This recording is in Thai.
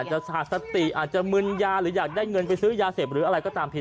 จะขาดสติอาจจะมึนยาหรืออยากได้เงินไปซื้อยาเสพหรืออะไรก็ตามที